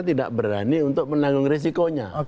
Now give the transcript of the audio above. tidak berani untuk menanggung risikonya